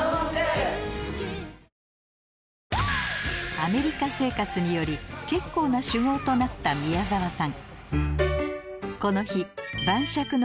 アメリカ生活により結構な酒豪となった宮澤さん